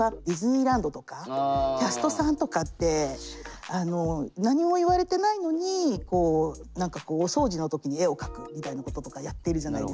例えばキャストさんとかって何も言われてないのに何かこうお掃除の時に絵を描くみたいなこととかやってるじゃないですか。